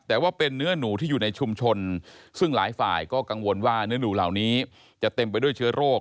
แต่ว่าเป็นเนื้อหนูที่อยู่ในชุมชนซึ่งหลายฝ่ายก็กังวลว่าเนื้อหนูเหล่านี้จะเต็มไปด้วยเชื้อโรค